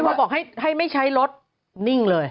พอบอกให้ไม่ใช้รถนิ่งเลย